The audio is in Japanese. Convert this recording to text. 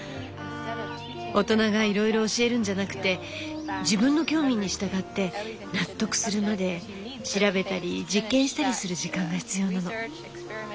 大人がいろいろ教えるんじゃなくて自分の興味に従って納得するまで調べたり実験したりする時間が必要なの。